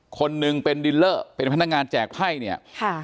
คนหนึ่งเป็นดินเลอร์เป็นพนักงานแจกไพ่เนี่ยค่ะ